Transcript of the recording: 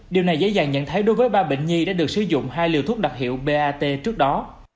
điều này dễ dàng nhận thấy đối với ba bệnh nhi đã được sử dụng hai liều thuốc đặc hiệu ba t trước đó